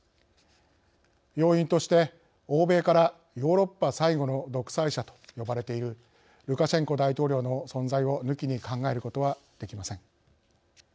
要因として欧米からヨーロッパ最後の独裁者と呼ばれているルカシェンコ大統領の存在を抜きに考えることはできません。